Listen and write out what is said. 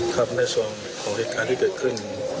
ครับในส่วนของเหตุการณ์ที่เกิดขึ้น